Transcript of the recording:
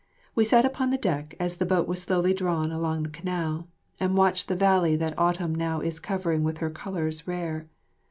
We sat upon the deck as the boat was slowly drawn along the canal, and watched the valley that autumn now is covering with her colours rare.